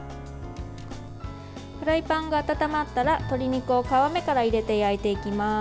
フライパンが温まったら鶏肉を皮目から入れて焼いていきます。